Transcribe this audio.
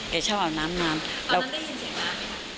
แกชอบอาบน้ำนานตอนนั้นได้ยินเสียงน้ำไหมคะ